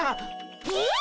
えっ？